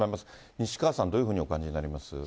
西川さん、どういうふうにお感じになります？